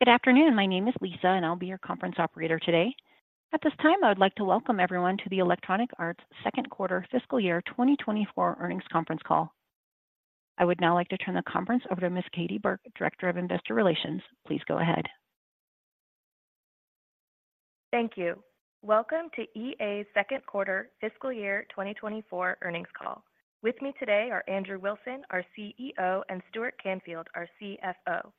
Good afternoon. My name is Lisa, and I'll be your conference operator today. At this time, I would like to welcome everyone to the Electronic Arts second quarter fiscal year 2024 earnings conference call. I would now like to turn the conference over to Ms. Katie Burke, Director of Investor Relations. Please go ahead. Thank you. Welcome to EA's second quarter fiscal year 2024 earnings call. With me today are Andrew Wilson, our CEO, and Stuart Canfield, our CFO.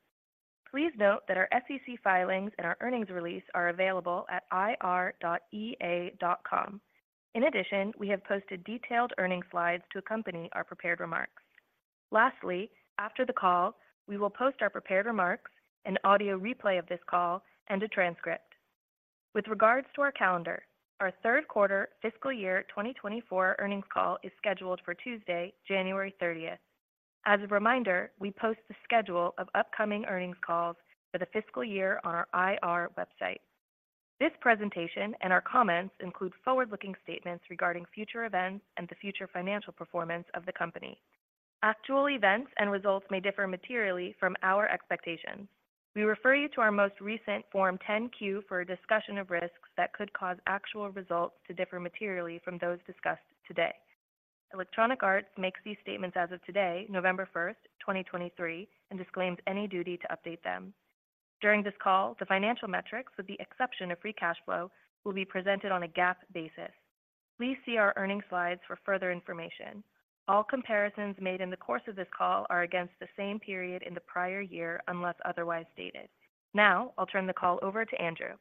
Please note that our SEC filings and our earnings release are available at ir.ea.com. In addition, we have posted detailed earnings slides to accompany our prepared remarks. Lastly, after the call, we will post our prepared remarks, an audio replay of this call, and a transcript. With regards to our calendar, our third quarter fiscal year 2024 earnings call is scheduled for Tuesday, January 30th. As a reminder, we post the schedule of upcoming earnings calls for the fiscal year on our IR website. This presentation and our comments include forward-looking statements regarding future events and the future financial performance of the company. Actual events and results may differ materially from our expectations. We refer you to our most recent Form 10-Q for a discussion of risks that could cause actual results to differ materially from those discussed today. Electronic Arts makes these statements as of today, November 1st, 2023, and disclaims any duty to update them. During this call, the financial metrics, with the exception of free cash flow, will be presented on a GAAP basis. Please see our earnings slides for further information. All comparisons made in the course of this call are against the same period in the prior year, unless otherwise stated. Now, I'll turn the call over to Andrew.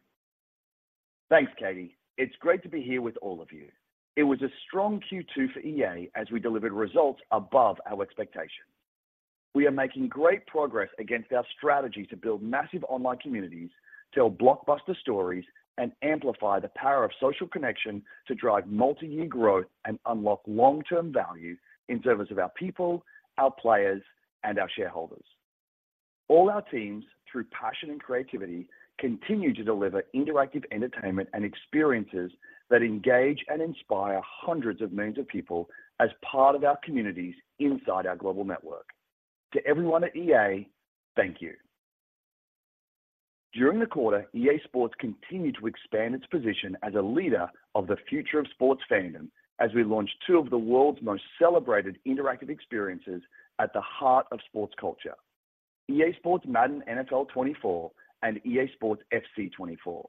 Thanks, Katie. It's great to be here with all of you. It was a strong Q2 for EA as we delivered results above our expectations. We are making great progress against our strategy to build massive online communities, tell blockbuster stories, and amplify the power of social connection to drive multi-year growth and unlock long-term value in service of our people, our players, and our shareholders. All our teams, through passion and creativity, continue to deliver interactive entertainment and experiences that engage and inspire hundreds of millions of people as part of our communities inside our global network. To everyone at EA, thank you. During the quarter, EA SPORTS continued to expand its position as a leader of the future of sports fandom, as we launched two of the world's most celebrated interactive experiences at the heart of sports culture: EA SPORTS Madden NFL 24 and EA SPORTS FC 24.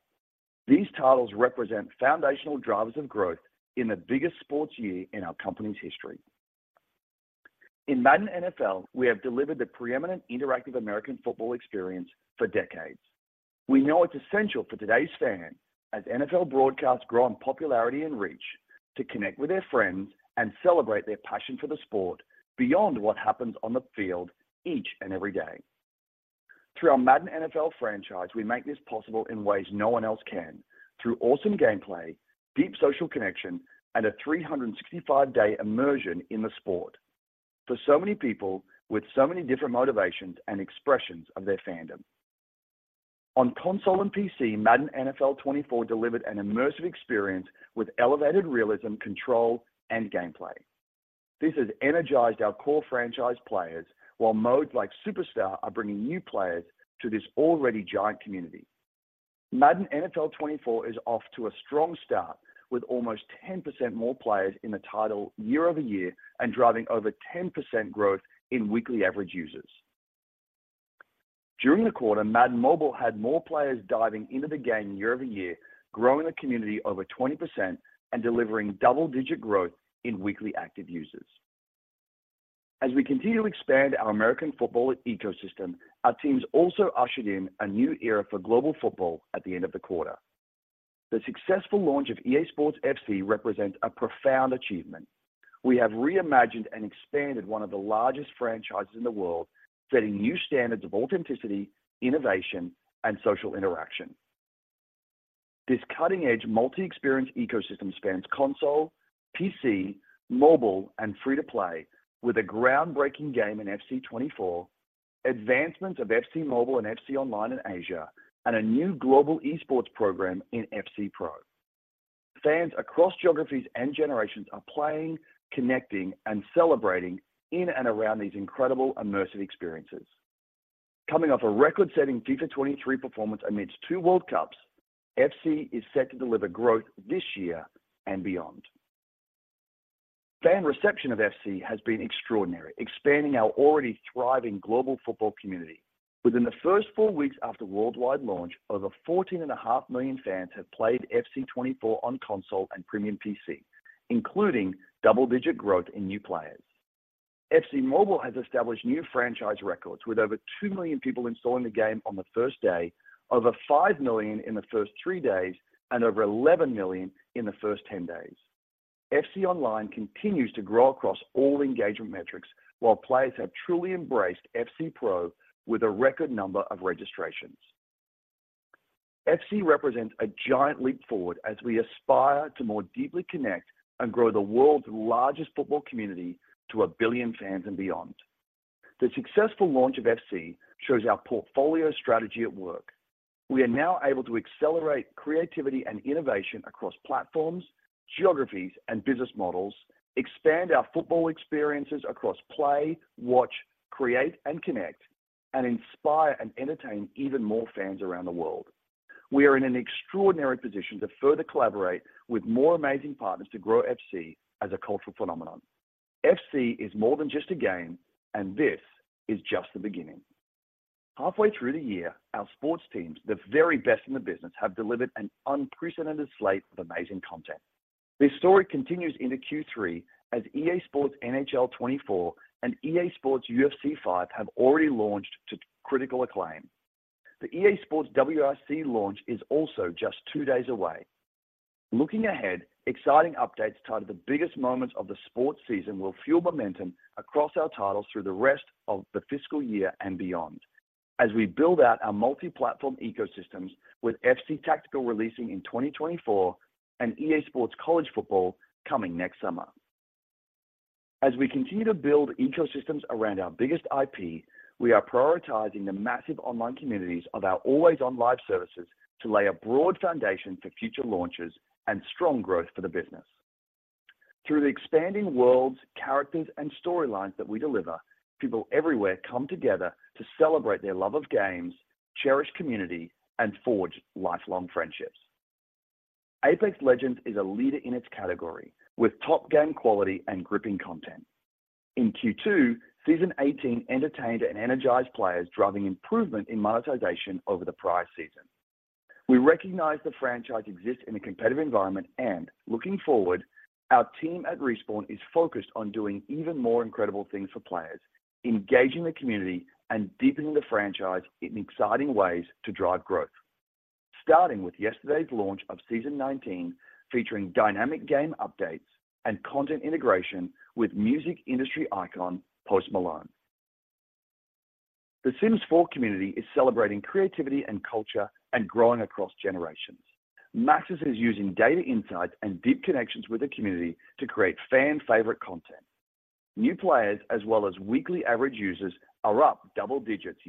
These titles represent foundational drivers of growth in the biggest sports year in our company's history. In Madden NFL, we have delivered the preeminent interactive American football experience for decades. We know it's essential for today's fan, as NFL broadcasts grow in popularity and reach, to connect with their friends and celebrate their passion for the sport beyond what happens on the field each and every day. Through our Madden NFL franchise, we make this possible in ways no one else can, through awesome gameplay, deep social connection, and a 365-day immersion in the sport for so many people with so many different motivations and expressions of their fandom. On console and PC, Madden NFL 24 delivered an immersive experience with elevated realism, control, and gameplay. This has energized our core franchise players, while modes like Superstar are bringing new players to this already giant community. Madden NFL 24 is off to a strong start, with almost 10% more players in the title YoY and driving over 10% growth in weekly average users. During the quarter, Madden Mobile had more players diving into the game YoY, growing the community over 20% and delivering double-digit growth in weekly active users. As we continue to expand our American football ecosystem, our teams also ushered in a new era for global football at the end of the quarter. The successful launch of EA SPORTS FC represents a profound achievement. We have reimagined and expanded one of the largest franchises in the world, setting new standards of authenticity, innovation, and social interaction. This cutting-edge multi-experience ecosystem spans console, PC, mobile, and free-to-play, with a groundbreaking game in FC 24, advancements of FC Mobile and FC Online in Asia, and a new global esports program in FC Pro. Fans across geographies and generations are playing, connecting, and celebrating in and around these incredible immersive experiences. Coming off a record-setting FIFA 23 performance amidst two World Cups, FC is set to deliver growth this year and beyond. Fan reception of FC has been extraordinary, expanding our already thriving global football community. Within the first four weeks after worldwide launch, over 14.5 million fans have played FC 24 on console and premium PC, including double-digit growth in new players. FC Mobile has established new franchise records, with over 2 million people installing the game on the first day, over 5 million in the first three days, and over 11 million in the first 10 days. FC Online continues to grow across all engagement metrics, while players have truly embraced FC Pro with a record number of registrations. FC represents a giant leap forward as we aspire to more deeply connect and grow the world's largest football community to 1 billion fans and beyond. The successful launch of FC shows our portfolio strategy at work. We are now able to accelerate creativity and innovation across platforms, geographies, and business models, expand our football experiences across play, watch, create, and connect, and inspire and entertain even more fans around the world. We are in an extraordinary position to further collaborate with more amazing partners to grow FC as a cultural phenomenon. FC is more than just a game, and this is just the beginning. Halfway through the year, our sports teams, the very best in the business, have delivered an unprecedented slate of amazing content. This story continues into Q3, as EA SPORTS NHL 24 and EA SPORTS UFC 5 have already launched to critical acclaim. The EA SPORTS WRC launch is also just two days away. Looking ahead, exciting updates tied to the biggest moments of the sports season will fuel momentum across our titles through the rest of the fiscal year and beyond. As we build out our multi-platform ecosystems, with FC Tactical releasing in 2024 and EA SPORTS College Football coming next summer. As we continue to build ecosystems around our biggest IP, we are prioritizing the massive online communities of our always on live services to lay a broad foundation for future launches and strong growth for the business. Through the expanding worlds, characters, and storylines that we deliver, people everywhere come together to celebrate their love of games, cherish community, and forge lifelong friendships. Apex Legends is a leader in its category, with top game quality and gripping content. In Q2, Season 18 entertained and energized players, driving improvement in monetization over the prior season. We recognize the franchise exists in a competitive environment and, looking forward, our team at Respawn is focused on doing even more incredible things for players, engaging the community, and deepening the franchise in exciting ways to drive growth. Starting with yesterday's launch of Season 19, featuring dynamic game updates and content integration with music industry icon, Post Malone. The Sims 4 community is celebrating creativity and culture and growing across generations. Maxis is using data insights and deep connections with the community to create fan-favorite content. New players, as well as Weekly Average Users, are up double digits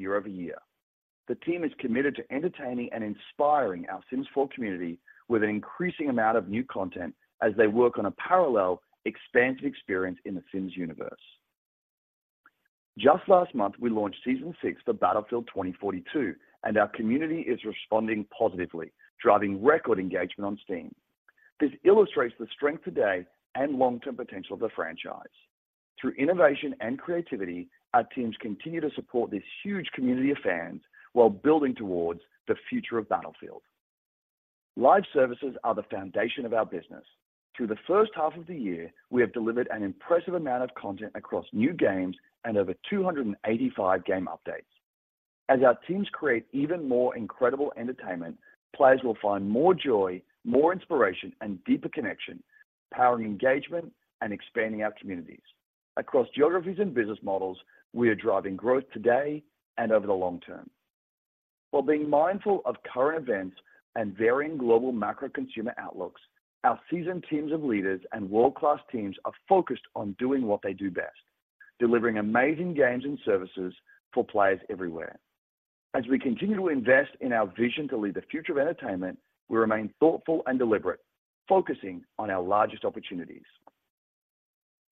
YoY. The team is committed to entertaining and inspiring our Sims 4 community with an increasing amount of new content as they work on a parallel, expansive experience in The Sims universe. Just last month, we launched Season 6 for Battlefield 2042, and our community is responding positively, driving record engagement on Steam. This illustrates the strength today and long-term potential of the franchise. Through innovation and creativity, our teams continue to support this huge community of fans while building towards the future of Battlefield. Live Services are the foundation of our business. Through the first half of the year, we have delivered an impressive amount of content across new games and over 285 game updates. As our teams create even more incredible entertainment, players will find more joy, more inspiration, and deeper connection, powering engagement and expanding our communities. Across geographies and business models, we are driving growth today and over the long term. While being mindful of current events and varying global macro consumer outlooks, our seasoned teams of leaders and world-class teams are focused on doing what they do best: delivering amazing games and services for players everywhere. As we continue to invest in our vision to lead the future of entertainment, we remain thoughtful and deliberate, focusing on our largest opportunities.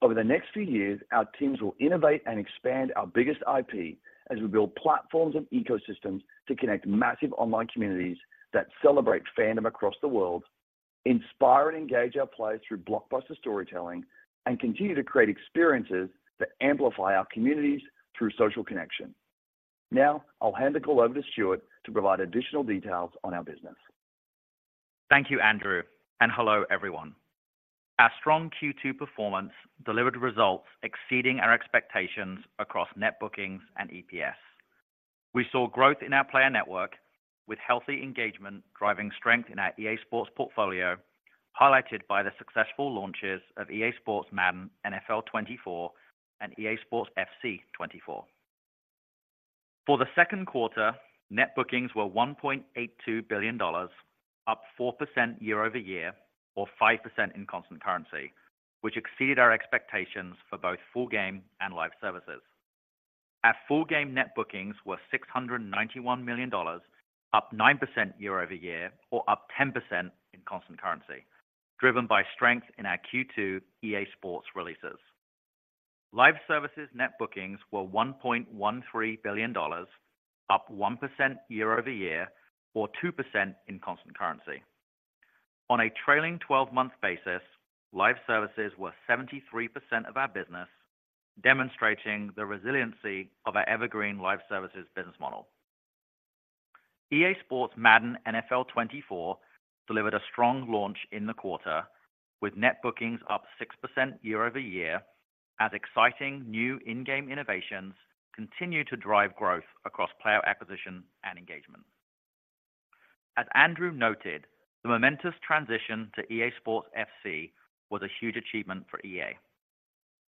Over the next few years, our teams will innovate and expand our biggest IP as we build platforms and ecosystems to connect massive online communities that celebrate fandom across the world, inspire and engage our players through blockbuster storytelling, and continue to create experiences that amplify our communities through social connection. Now, I'll hand the call over to Stuart to provide additional details on our business. Thank you, Andrew, and hello, everyone. Our strong Q2 performance delivered results exceeding our expectations across net bookings and EPS. We saw growth in our player network, with healthy engagement driving strength in our EA SPORTS portfolio, highlighted by the successful launches of EA SPORTS Madden NFL 24 and EA SPORTS FC 24. For the second quarter, net bookings were $1.82 billion, up 4% YoY or 5% in constant currency, which exceeded our expectations for both full game and live services. Our full game net bookings were $691 million, up 9% YoY, or up 10% in constant currency, driven by strength in our Q2 EA SPORTS releases. Live Services net bookings were $1.13 billion, up 1% YoY, or 2% in constant currency. On a trailing twelve-month basis, live services were 73% of our business, demonstrating the resiliency of our evergreen live services business model. EA SPORTS Madden NFL 24 delivered a strong launch in the quarter, with net bookings up 6% YoY, as exciting new in-game innovations continue to drive growth across player acquisition and engagement. As Andrew noted, the momentous transition to EA SPORTS FC was a huge achievement for EA.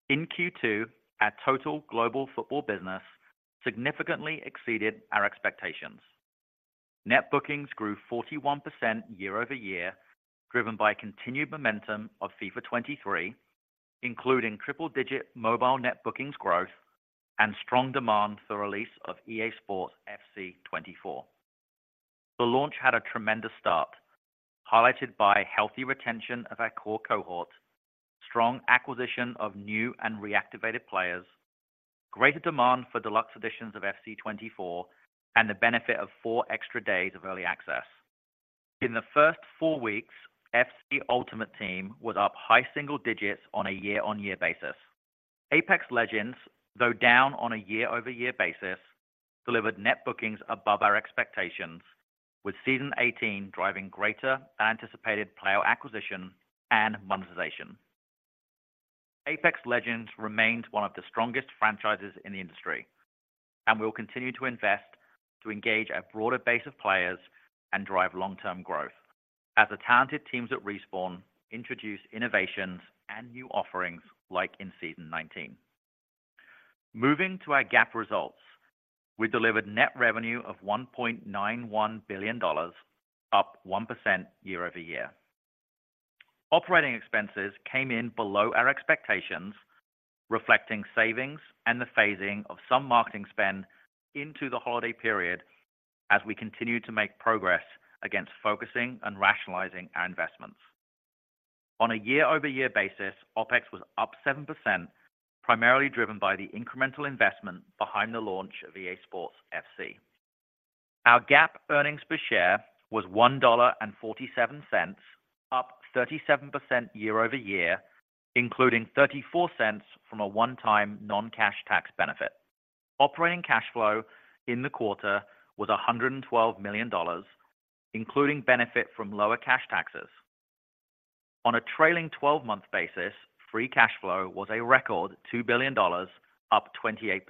In Q2, our total global football business significantly exceeded our expectations. Net bookings grew 41% YoY, driven by continued momentum of FIFA 23, including triple-digit mobile net bookings growth and strong demand for release of EA SPORTS FC 24. The launch had a tremendous start, highlighted by healthy retention of our core cohort, strong acquisition of new and reactivated players, greater demand for deluxe editions of FC 24, and the benefit of four extra days of early access. In the first four weeks, FC Ultimate Team was up high single digits on a year-over-year basis. Apex Legends, though down on a year-over-year basis, delivered net bookings above our expectations, with season 18 driving greater anticipated player acquisition and monetization. Apex Legends remains one of the strongest franchises in the industry, and we will continue to invest to engage a broader base of players and drive long-term growth as the talented teams at Respawn introduce innovations and new offerings like in season 19. Moving to our GAAP results, we delivered net revenue of $1.91 billion, up 1% YoY. Operating expenses came in below our expectations, reflecting savings and the phasing of some marketing spend into the holiday period as we continue to make progress against focusing and rationalizing our investments. On a year-over-year basis, OpEx was up 7%, primarily driven by the incremental investment behind the launch of EA SPORTS FC. Our GAAP earnings per share was $1.47, up 37% YoY, including $0.34 from a one-time non-cash tax benefit. Operating cash flow in the quarter was $112 million, including benefit from lower cash taxes. On a trailing twelve-month basis, free cash flow was a record $2 billion, up 28%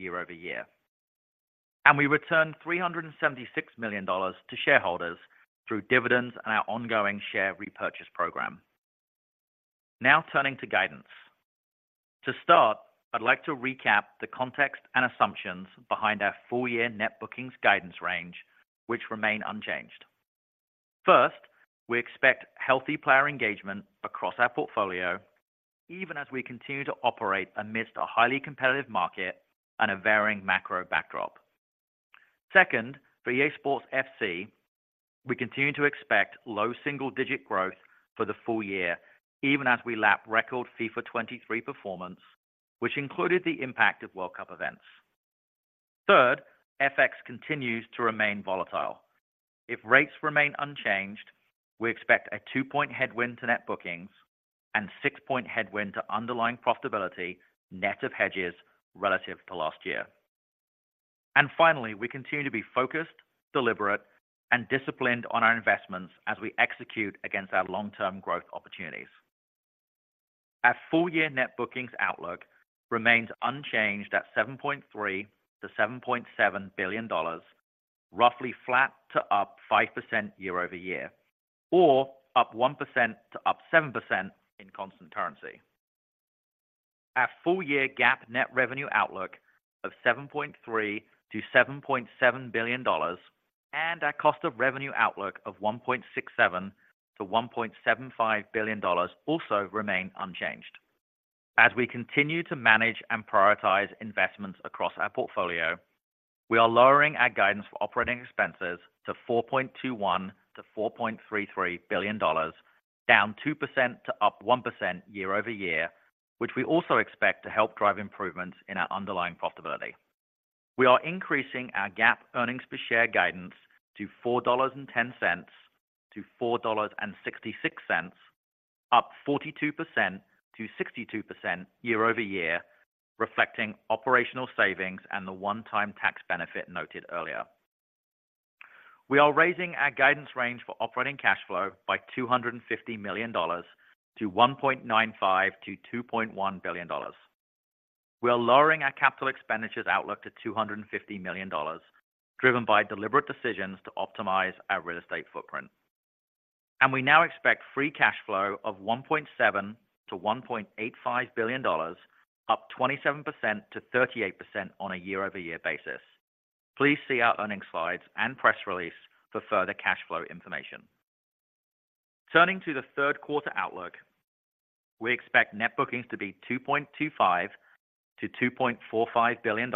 YoY, and we returned $376 million to shareholders through dividends and our ongoing share repurchase program. Now turning to guidance. To start, I'd like to recap the context and assumptions behind our full year net bookings guidance range, which remain unchanged. First, we expect healthy player engagement across our portfolio, even as we continue to operate amidst a highly competitive market and a varying macro backdrop. Second, for EA SPORTS FC, we continue to expect low single-digit growth for the full year, even as we lap record FIFA 23 performance, which included the impact of World Cup events. Third, FX continues to remain volatile. If rates remain unchanged, we expect a 2-point headwind to net bookings and 6-point headwind to underlying profitability, net of hedges relative to last year. And finally, we continue to be focused, deliberate, and disciplined on our investments as we execute against our long-term growth opportunities. Our full-year net bookings outlook remains unchanged at $7.3 billion-$7.7 billion, roughly flat to up 5% YoY, or up 1% to up 7% in constant currency. Our full-year GAAP net revenue outlook of $7.3 billion-$7.7 billion and our cost of revenue outlook of $1.67 billion-$1.75 billion also remain unchanged. As we continue to manage and prioritize investments across our portfolio, we are lowering our guidance for operating expenses to $4.21 billion-$4.33 billion, down 2% to up 1% YoY, which we also expect to help drive improvements in our underlying profitability. We are increasing our GAAP earnings per share guidance to $4.10-$4.66, up 42%-62% YoY, reflecting operational savings and the one-time tax benefit noted earlier. We are raising our guidance range for operating cash flow by $250 million to $1.95 billion-$2.1 billion. We are lowering our capital expenditures outlook to $250 million, driven by deliberate decisions to optimize our real estate footprint. And we now expect free cash flow of $1.7 billion-$1.85 billion, up 27%-38% on a YoY basis. Please see our earnings slides and press release for further cash flow information. Turning to the third quarter outlook, we expect net bookings to be $2.25 billion-$2.45 billion,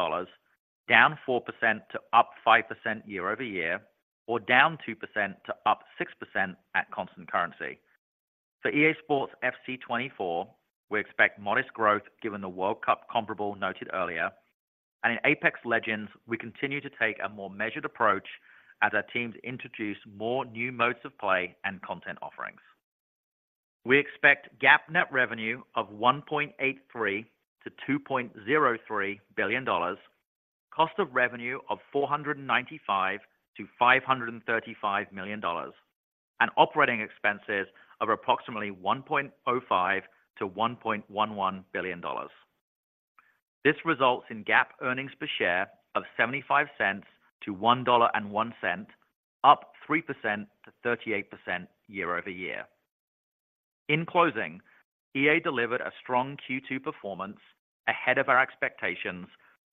down 4% to up 5% YoY, or down 2% to up 6% at constant currency. For EA SPORTS FC 24, we expect modest growth given the World Cup comparable noted earlier. And in Apex Legends, we continue to take a more measured approach as our teams introduce more new modes of play and content offerings. We expect GAAP net revenue of $1.83 billion-$2.03 billion, cost of revenue of $495 million-$535 million, and operating expenses of approximately $1.05 billion-$1.11 billion. This results in GAAP earnings per share of $0.75-$1.01, up 3%-38% YoY. In closing, EA delivered a strong Q2 performance ahead of our expectations,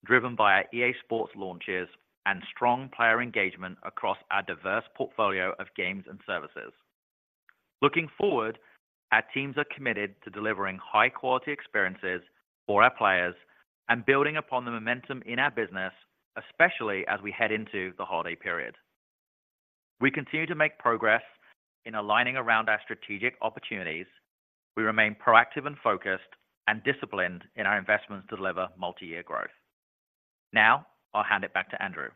driven by our EA SPORTS launches and strong player engagement across our diverse portfolio of games and services.... Looking forward, our teams are committed to delivering high-quality experiences for our players and building upon the momentum in our business, especially as we head into the holiday period. We continue to make progress in aligning around our strategic opportunities. We remain proactive and focused, and disciplined in our investments to deliver multi-year growth. Now, I'll hand it back to Andrew.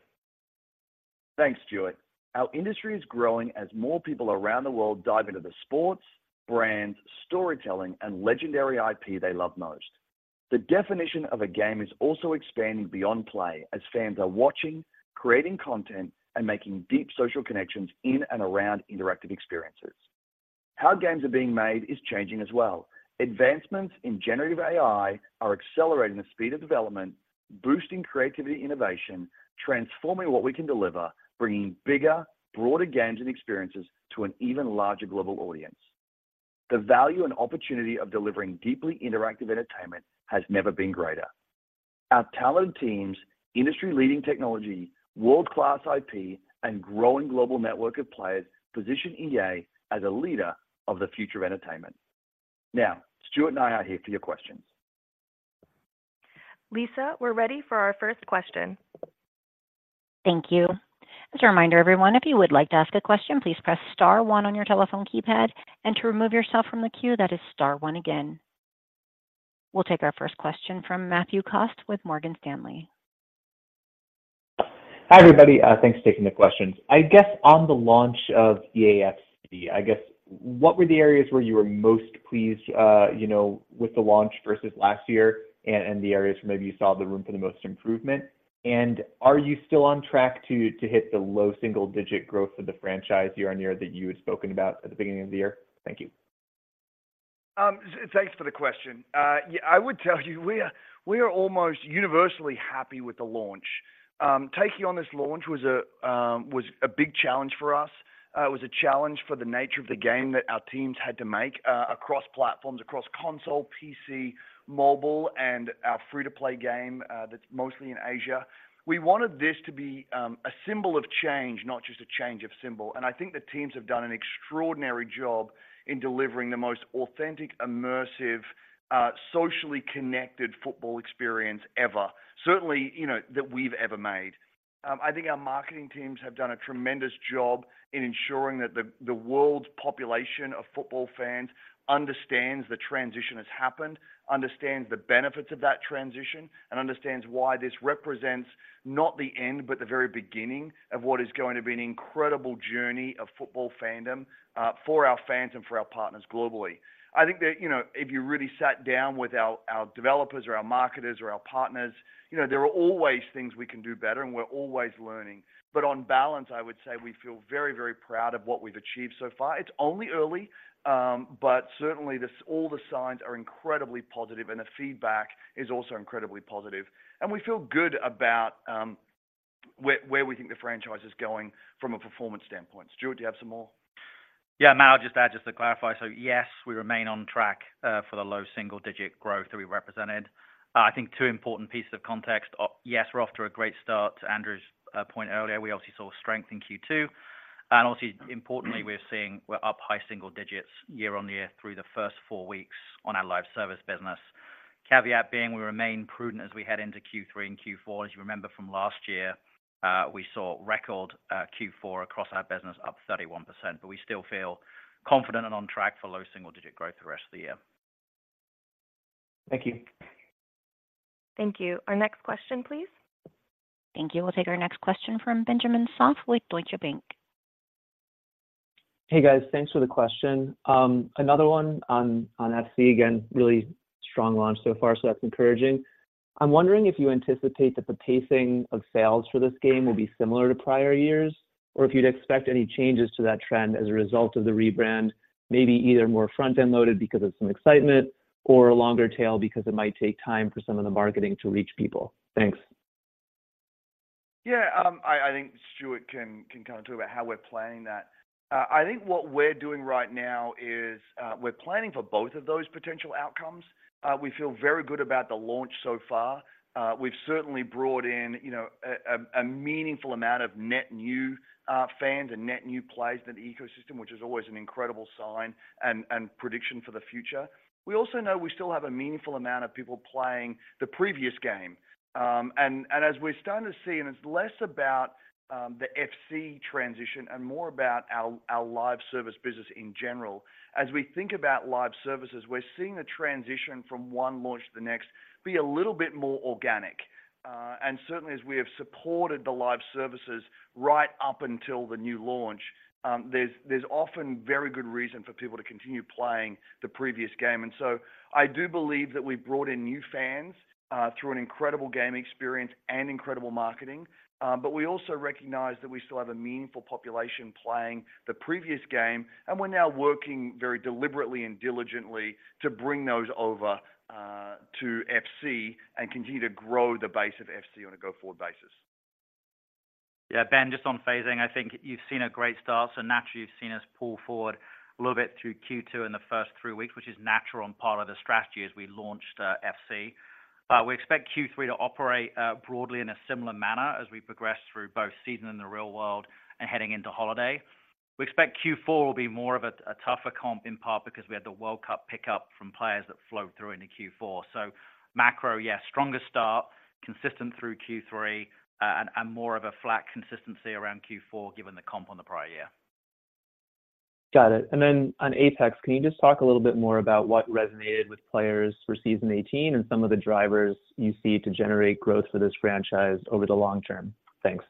Thanks, Stuart. Our industry is growing as more people around the world dive into the sports, brands, storytelling, and legendary IP they love most. The definition of a game is also expanding beyond play, as fans are watching, creating content, and making deep social connections in and around interactive experiences. How games are being made is changing as well. Advancements in generative AI are accelerating the speed of development, boosting creativity, innovation, transforming what we can deliver, bringing bigger, broader games and experiences to an even larger global audience. The value and opportunity of delivering deeply interactive entertainment has never been greater. Our talented teams, industry-leading technology, world-class IP, and growing global network of players position EA as a leader of the future of entertainment. Now, Stuart and I are here for your questions. Lisa, we're ready for our first question. Thank you. Just a reminder, everyone, if you would like to ask a question, please press star one on your telephone keypad, and to remove yourself from the queue, that is star one again. We'll take our first question from Matthew Cost with Morgan Stanley. Hi, everybody. Thanks for taking the questions. I guess on the launch of EA FC, I guess, what were the areas where you were most pleased, you know, with the launch versus last year, and the areas where maybe you saw the room for the most improvement? Are you still on track to hit the low single-digit growth of the franchise year-on-year that you had spoken about at the beginning of the year? Thank you. Thanks for the question. Yeah, I would tell you, we are almost universally happy with the launch. Taking on this launch was a big challenge for us. It was a challenge for the nature of the game that our teams had to make across platforms, across console, PC, mobile, and our free-to-play game that's mostly in Asia. We wanted this to be a symbol of change, not just a change of symbol, and I think the teams have done an extraordinary job in delivering the most authentic, immersive socially connected football experience ever. Certainly, you know, that we've ever made. I think our marketing teams have done a tremendous job in ensuring that the, the world's population of football fans understands the transition has happened, understands the benefits of that transition, and understands why this represents not the end, but the very beginning of what is going to be an incredible journey of football fandom for our fans and for our partners globally. I think that, you know, if you really sat down with our, our developers or our marketers or our partners, you know, there are always things we can do better, and we're always learning. But on balance, I would say we feel very, very proud of what we've achieved so far. It's only early, but certainly, this all the signs are incredibly positive, and the feedback is also incredibly positive. We feel good about where we think the franchise is going from a performance standpoint. Stuart, do you have some more? Yeah, Matt, I'll just add just to clarify. So, yes, we remain on track for the low single-digit growth that we represented. I think two important pieces of context. Yes, we're off to a great start. To Andrew's point earlier, we obviously saw strength in Q2, and obviously, importantly, we're seeing we're up high single digits year-on-year through the first four weeks on our live service business. Caveat being, we remain prudent as we head into Q3 and Q4. As you remember from last year, we saw record Q4 across our business, up 31%, but we still feel confident and on track for low single-digit growth the rest of the year. Thank you. Thank you. Our next question, please. Thank you. We'll take our next question from Benjamin Soff with Deutsche Bank. Hey, guys. Thanks for the question. Another one on FC. Again, really strong launch so far, so that's encouraging. I'm wondering if you anticipate that the pacing of sales for this game will be similar to prior years, or if you'd expect any changes to that trend as a result of the rebrand, maybe either more front-end loaded because of some excitement or a longer tail, because it might take time for some of the marketing to reach people? Thanks. Yeah, I think Stuart can kind of talk about how we're planning that. I think what we're doing right now is we're planning for both of those potential outcomes. We feel very good about the launch so far. We've certainly brought in, you know, a meaningful amount of net new fans and net new players into the ecosystem, which is always an incredible sign and prediction for the future. We also know we still have a meaningful amount of people playing the previous game. And as we're starting to see, it's less about the FC transition and more about our live service business in general. As we think about live services, we're seeing the transition from one launch to the next be a little bit more organic. And certainly, as we have supported the live services right up until the new launch, there's often very good reason for people to continue playing the previous game. And so I do believe that we've brought in new fans through an incredible game experience and incredible marketing, but we also recognize that we still have a meaningful population playing the previous game, and we're now working very deliberately and diligently to bring those over to FC and continue to grow the base of FC on a go-forward basis. Yeah, Ben, just on phasing, I think you've seen a great start, so naturally, you've seen us pull forward a little bit through Q2 in the first three weeks, which is natural and part of the strategy as we launched FC. We expect Q3 to operate broadly in a similar manner as we progress through both season in the real world and heading into holiday. We expect Q4 will be more of a tougher comp, in part because we had the World Cup pickup from players that flowed through into Q4. So macro, yeah, stronger start, consistent through Q3, and more of a flat consistency around Q4, given the comp on the prior year. Got it. And then on Apex, can you just talk a little bit more about what resonated with players for Season 18 and some of the drivers you see to generate growth for this franchise over the long term? Thanks.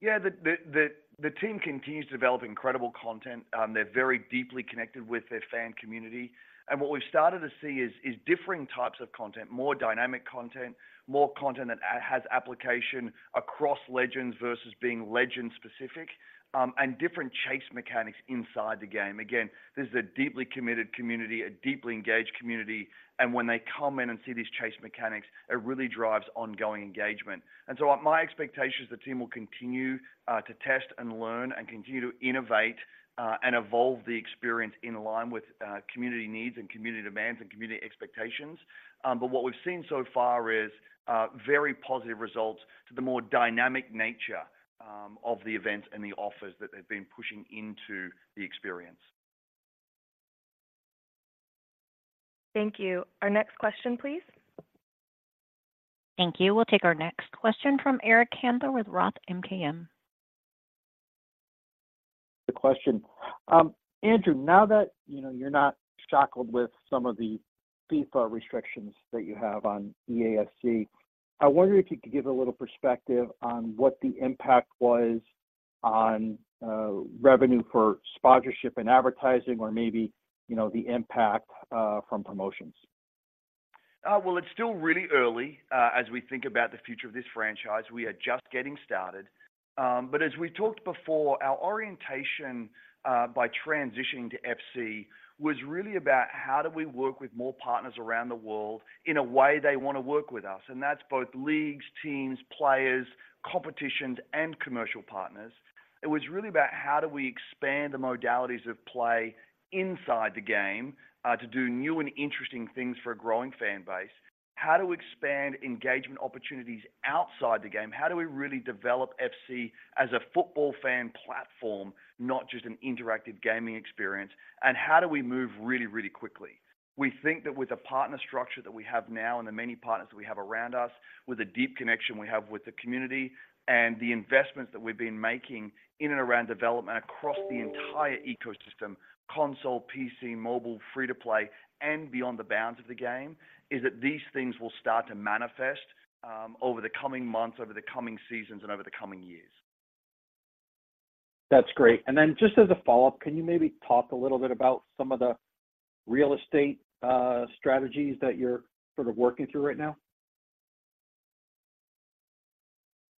Yeah, the team continues to develop incredible content. They're very deeply connected with their fan community, and what we've started to see is differing types of content, more dynamic content, more content that has application across legends versus being legend specific, and different chase mechanics inside the game. Again, this is a deeply committed community, a deeply engaged community, and when they come in and see these chase mechanics, it really drives ongoing engagement. And so my expectation is the team will continue to test and learn and continue to innovate and evolve the experience in line with community needs and community demands and community expectations. But what we've seen so far is very positive results to the more dynamic nature of the events and the offers that they've been pushing into the experience. Thank you. Our next question, please? Thank you. We'll take our next question from Eric Handler with Roth MKM. Good question. Andrew, now that you know you're not shackled with some of the FIFA restrictions that you have on EA FC, I wonder if you could give a little perspective on what the impact was on revenue for sponsorship and advertising, or maybe, you know, the impact from promotions? Well, it's still really early, as we think about the future of this franchise. We are just getting started. But as we talked before, our orientation by transitioning to FC was really about how do we work with more partners around the world in a way they want to work with us, and that's both leagues, teams, players, competitions, and commercial partners. It was really about how do we expand the modalities of play inside the game to do new and interesting things for a growing fan base? How do we expand engagement opportunities outside the game? How do we really develop FC as a football fan platform, not just an interactive gaming experience? And how do we move really, really quickly? We think that with the partner structure that we have now and the many partners we have around us, with the deep connection we have with the community, and the investments that we've been making in and around development across the entire ecosystem, console, PC, mobile, free-to-play, and beyond the bounds of the game, is that these things will start to manifest, over the coming months, over the coming seasons, and over the coming years. That's great. Just as a follow-up, can you maybe talk a little bit about some of the real estate strategies that you're sort of working through right now?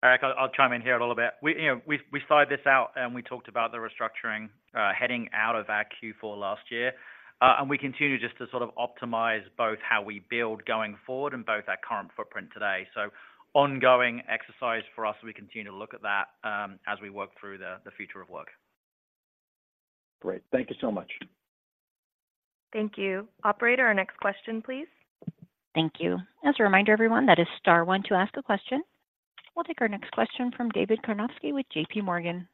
Eric, I'll chime in here a little bit. We, you know, we started this out, and we talked about the restructuring heading out of our Q4 last year. And we continue just to sort of optimize both how we build going forward and both our current footprint today. So ongoing exercise for us, we continue to look at that, as we work through the future of work. Great. Thank you so much. Thank you. Operator, our next question, please. Thank you. As a reminder, everyone, that is star one to ask a question. We'll take our next question from David Karnovsky with J.P. Morgan.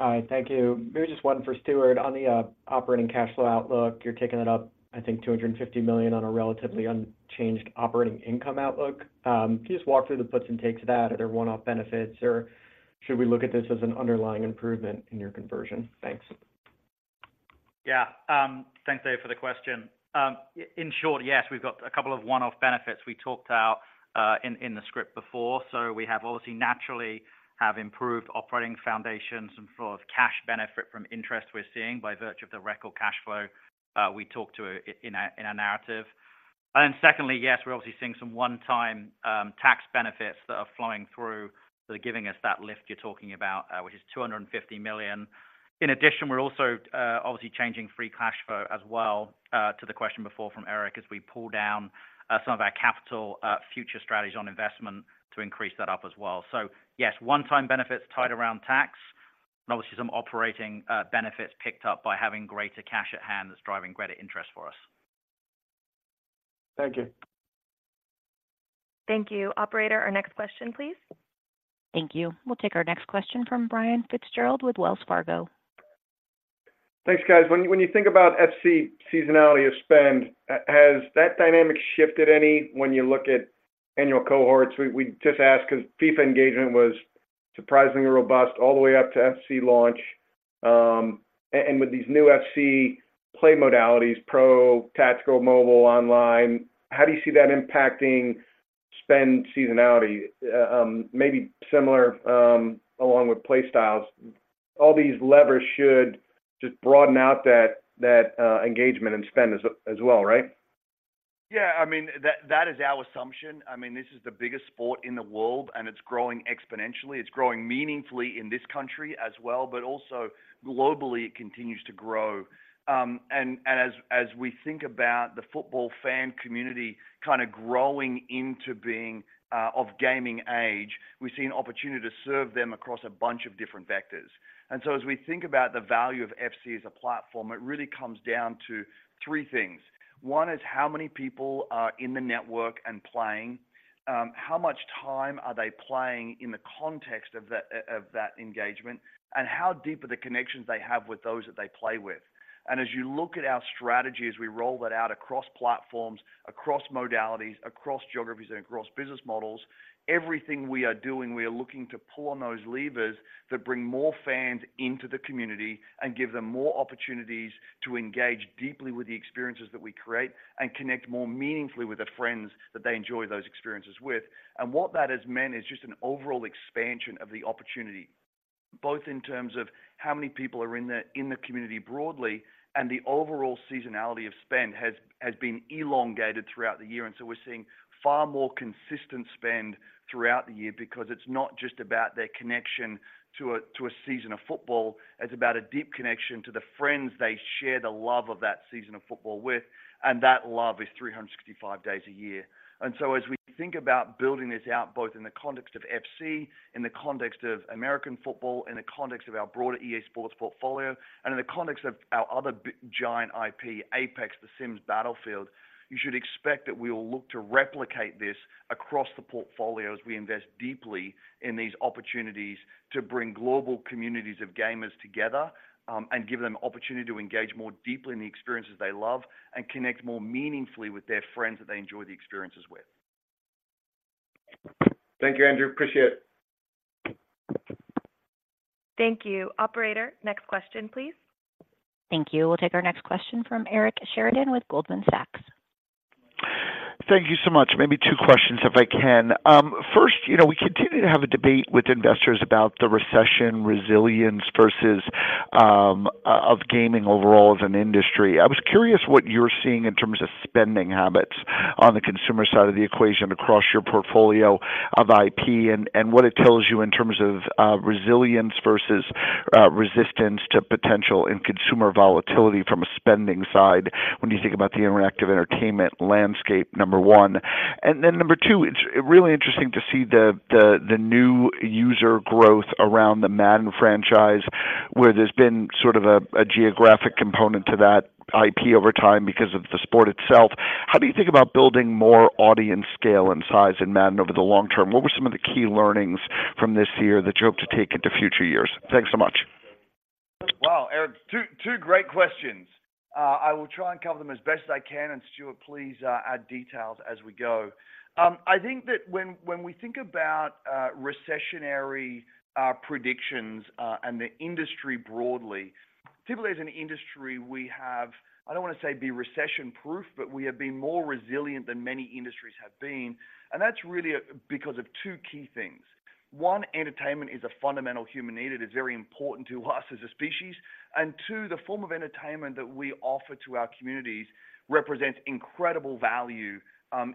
Hi, thank you. Maybe just one for Stuart. On the operating cash flow outlook, you're taking it up, I think, $250 million on a relatively unchanged operating income outlook. Can you just walk through the puts and takes of that? Are there one-off benefits, or should we look at this as an underlying improvement in your conversion? Thanks. Yeah. Thanks, Dave, for the question. In short, yes, we've got a couple of one-off benefits we talked out in the script before. So we have obviously, naturally, have improved operating foundations and flow of cash benefit from interest we're seeing by virtue of the record cash flow we talked to it in our narrative. And secondly, yes, we're obviously seeing some one-time tax benefits that are flowing through. So they're giving us that lift you're talking about, which is $250 million. In addition, we're also obviously changing free cash flow as well to the question before from Eric, as we pull down some of our capital future strategies on investment to increase that up as well. So yes, one-time benefits tied around tax, and obviously some operating benefits picked up by having greater cash at hand that's driving greater interest for us. Thank you. Thank you. Operator, our next question, please. Thank you. We'll take our next question from Brian Fitzgerald with Wells Fargo. Thanks, guys. When you think about FC seasonality of spend, has that dynamic shifted any when you look at annual cohorts? We just ask because FIFA engagement was surprisingly robust all the way up to FC launch. And with these new FC play modalities, pro, tactical, mobile, online, how do you see that impacting spend seasonality? Maybe similar, along with play styles. All these levers should just broaden out that engagement and spend as well, right? Yeah, I mean, that, that is our assumption. I mean, this is the biggest sport in the world, and it's growing exponentially. It's growing meaningfully in this country as well, but also globally, it continues to grow. As we think about the football fan community kind of growing into being of gaming age, we see an opportunity to serve them across a bunch of different vectors. And so as we think about the value of FC as a platform, it really comes down to three things. One, is how many people are in the network and playing? How much time are they playing in the context of that, of that engagement? How deep are the connections they have with those that they play with? ... As you look at our strategy, as we roll that out across platforms, across modalities, across geographies, and across business models, everything we are doing, we are looking to pull on those levers that bring more fans into the community and give them more opportunities to engage deeply with the experiences that we create and connect more meaningfully with the friends that they enjoy those experiences with. What that has meant is just an overall expansion of the opportunity, both in terms of how many people are in the community broadly, and the overall seasonality of spend has been elongated throughout the year. So we're seeing far more consistent spend throughout the year because it's not just about their connection to a season of football, it's about a deep connection to the friends they share the love of that season of football with, and that love is 365 days a year. And so as we think about building this out, both in the context of FC, in the context of American football, in the context of our broader EA SPORTS portfolio, and in the context of our other big giant IP, Apex, The Sims, Battlefield, you should expect that we will look to replicate this across the portfolio as we invest deeply in these opportunities to bring global communities of gamers together, and give them opportunity to engage more deeply in the experiences they love and connect more meaningfully with their friends that they enjoy the experiences with. Thank you, Andrew. Appreciate it. Thank you. Operator, next question, please. Thank you. We'll take our next question from Eric Sheridan with Goldman Sachs. Thank you so much. Maybe two questions, if I can. First, you know, we continue to have a debate with investors about the recession resilience versus of gaming overall as an industry. I was curious what you're seeing in terms of spending habits on the consumer side of the equation across your portfolio of IP, and what it tells you in terms of resilience versus resistance to potential and consumer volatility from a spending side when you think about the interactive entertainment landscape, number one. And then number two, it's really interesting to see the new user growth around the Madden franchise, where there's been sort of a geographic component to that IP over time because of the sport itself. How do you think about building more audience scale and size in Madden over the long term? What were some of the key learnings from this year that you hope to take into future years? Thanks so much. Wow, Eric, two, two great questions. I will try and cover them as best as I can, and Stuart, please, add details as we go. I think that when, when we think about, recessionary predictions, and the industry broadly, typically, as an industry, we have - I don't want to say be recession-proof, but we have been more resilient than many industries have been, and that's really because of two key things. One, entertainment is a fundamental human need. It is very important to us as a species. And two, the form of entertainment that we offer to our communities represents incredible value,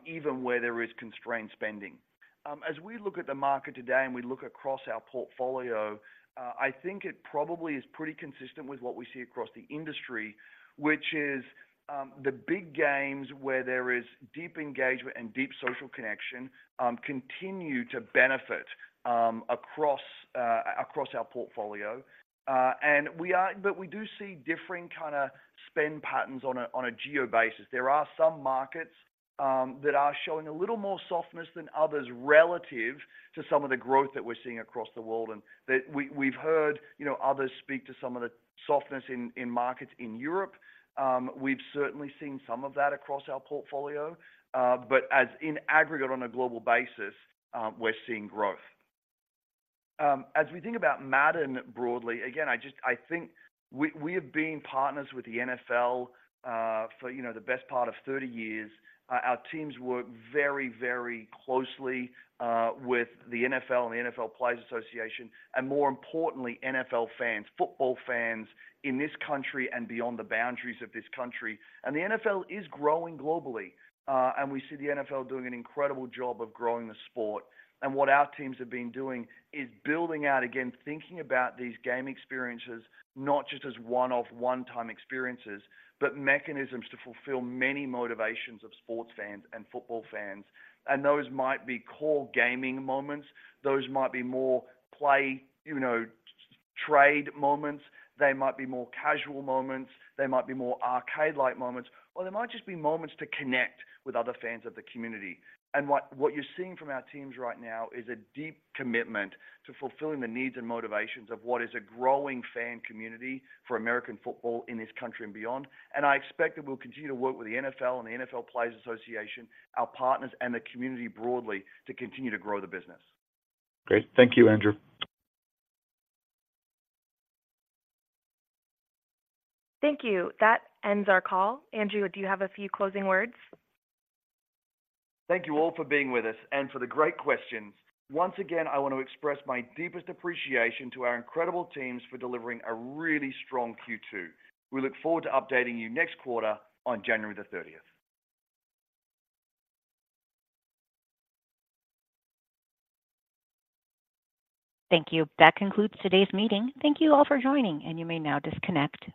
even where there is constrained spending. As we look at the market today and we look across our portfolio, I think it probably is pretty consistent with what we see across the industry, which is, the big games where there is deep engagement and deep social connection, continue to benefit across our portfolio. But we do see differing kind of spend patterns on a geo basis. There are some markets that are showing a little more softness than others relative to some of the growth that we're seeing across the world. And we've heard, you know, others speak to some of the softness in markets in Europe. We've certainly seen some of that across our portfolio, but in aggregate, on a global basis, we're seeing growth. As we think about Madden broadly, again, I just- I think we, we have been partners with the NFL, for, you know, the best part of 30 years. Our teams work very, very closely, with the NFL and the NFL Players Association, and more importantly, NFL fans, football fans in this country and beyond the boundaries of this country. And the NFL is growing globally, and we see the NFL doing an incredible job of growing the sport. And what our teams have been doing is building out, again, thinking about these game experiences not just as one-off, one-time experiences, but mechanisms to fulfill many motivations of sports fans and football fans. Those might be core gaming moments, those might be more play, you know, trade moments, they might be more casual moments, they might be more arcade-like moments, or they might just be moments to connect with other fans of the community. What, what you're seeing from our teams right now is a deep commitment to fulfilling the needs and motivations of what is a growing fan community for American football in this country and beyond. I expect that we'll continue to work with the NFL and the NFL Players Association, our partners, and the community broadly, to continue to grow the business. Great. Thank you, Andrew. Thank you. That ends our call. Andrew, do you have a few closing words? Thank you all for being with us and for the great questions. Once again, I want to express my deepest appreciation to our incredible teams for delivering a really strong Q2. We look forward to updating you next quarter on January the 30th. Thank you. That concludes today's meeting. Thank you all for joining, and you may now disconnect.